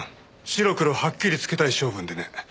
白黒はっきりつけたい性分でね。